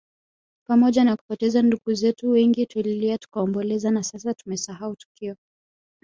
Pamoja na kupoteza ndugu zetu wengi tulilia tukaomboleza na sasa tumesahau tukio